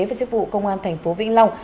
và chức vụ công an thành phố vĩnh long